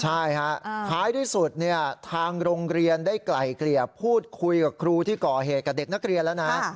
ใช่ฮะท้ายที่สุดเนี่ยทางโรงเรียนได้ไกล่เกลี่ยพูดคุยกับครูที่ก่อเหตุกับเด็กนักเรียนแล้วนะ